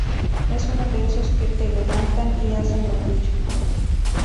Es uno de esos que te levantan y hacen lo tuyo.